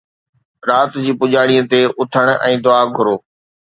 رات جي پڄاڻيءَ تي، اٿڻ ۽ دعا گهرو